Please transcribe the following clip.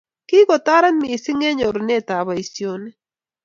Kikotorit misng eng nyorunet ab bosihionik